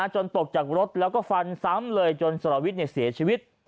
ตกจากรถแล้วก็ฟันซ้ำเลยจนสรวิทย์เสียชีวิต